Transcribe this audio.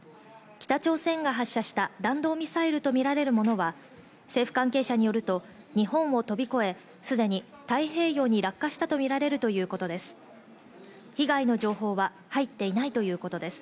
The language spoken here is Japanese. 北朝鮮が発射した弾道ミサイルとみられるものは政府関係者によると日本を飛び越え、すでに太平洋に落下したとみられるということです。